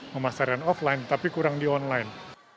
pemasaran offline tapi kurang di online